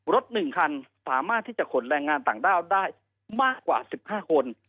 รถ๑คันสามารถที่จะขนแรงงานต่างด้าวได้มากกว่า๑๕คน